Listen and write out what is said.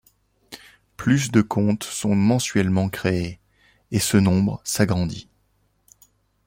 Plus de comptes sont mensuellement créés, et ce nombre s'agrandit.